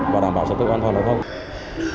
và đảm bảo cho tự an toàn đường sắt